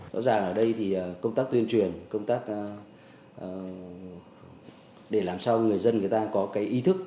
rõ ràng ở đây thì công tác tuyên truyền công tác để làm sao người dân có ý thức